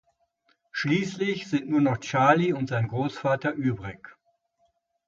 Schließlich sind nur noch Charlie und sein Großvater übrig.